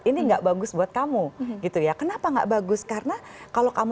ini nggak bagus buat kamu gitu ya kenapa nggak bagus karena kalau kamu